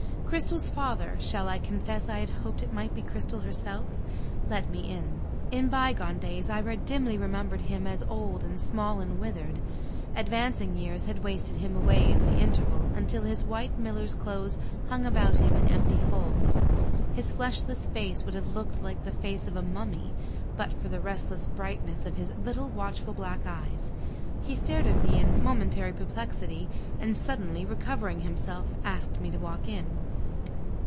Cristel's father shall I confess I had hoped that it might be Cristel herself? let me in. In by gone days, I dimly remembered him as old and small and withered. Advancing years had wasted him away, in the interval, until his white miller's clothes hung about him in empty folds. His fleshless face would have looked like the face of a mummy, but for the restless brightness of his little watchful black eyes. He stared at me in momentary perplexity, and, suddenly recovering himself, asked me to walk in.